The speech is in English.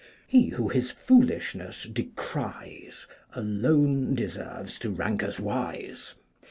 He who his foolishness decries Alone deserves to rank as wise.